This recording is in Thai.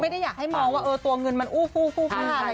ไม่ได้อยากให้มองตัวเงินคูภูเบล์